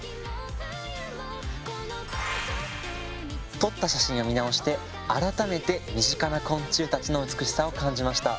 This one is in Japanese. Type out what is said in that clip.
撮った写真を見直して改めて身近な昆虫たちの美しさを感じました。